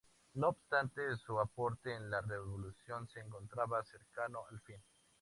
No obstante su aporte a la revolución se encontraba cercano al fin.